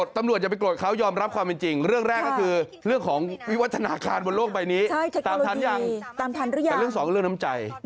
ตำรวจคนไหนไม่มีอีเมลใช้คอมพิวเตอร์ไม่เป็นเรียน